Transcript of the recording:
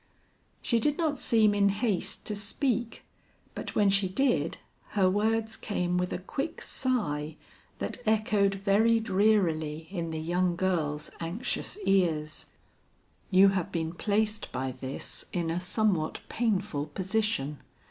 She did not seem in haste to speak, but when she did, her words came with a quick sigh that echoed very drearily in the young girl's anxious ears. "You have been placed by this in a somewhat painful position.